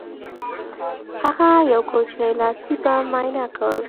هغه یو کوچنی لاسي بم معاینه کړ